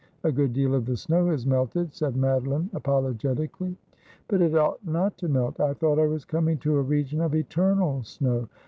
A good deal of the snow has melted,' said Madoline apologetically. ' But it ought not to melt. I thought I was coming to a region of eternal snow.